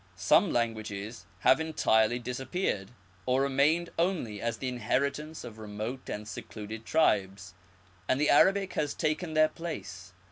Some languages have entirely disappeared, or remained only as the inheritance of remote and secluded tribes, and the Arabic has taken their place.